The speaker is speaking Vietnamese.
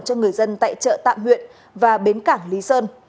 cho người dân tại chợ tạm huyện và bến cảng lý sơn